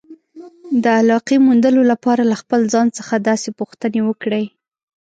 د علاقې موندلو لپاره له خپل ځان څخه داسې پوښتنې وکړئ.